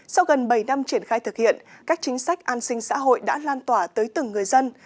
sau gần bảy năm triển khai thực hiện các chính sách an sinh xã hội đã lan tỏa tới từng người dân